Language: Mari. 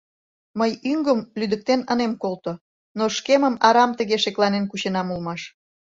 Мый ӱҥгым лӱдыктен ынем колто, но шкемым арам тыге шекланен кученам улмаш.